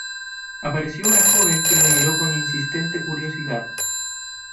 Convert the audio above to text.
Apareció una joven que me miró con insistente curiosidad.